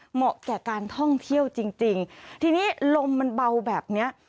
เหมาะแก่การท่องเที่ยวจริงจริงทีนี้ลมมันเบาแบบเนี้ย